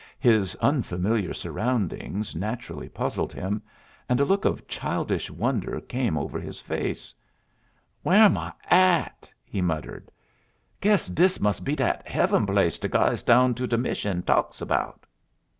His unfamiliar surroundings naturally puzzled him, and a look of childish wonder came over his face. "Where'm I at?" he muttered. "Guess diss must be dat Heaven place de guys down to de mission talks about."